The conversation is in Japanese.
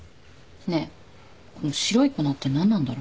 ねえこの白い粉って何なんだろうね。